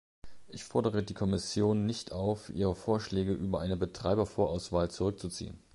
Ich fordere die Kommission nicht auf, ihre Vorschläge über eine Betreibervorauswahl zurückzuziehen.